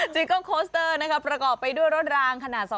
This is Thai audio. จีเกิ้ลโคสเตอร์ประกอบไปด้วยรถรางขนาด